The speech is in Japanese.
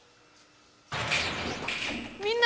みんな！